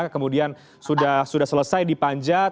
kemudian sudah selesai dipanjat